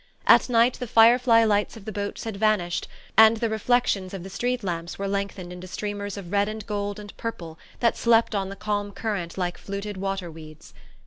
At night the fire fly lights of the boats had vanished, and the reflections of the street lamps were lengthened into streamers of red and gold and purple that slept on the calm current like fluted water weeds.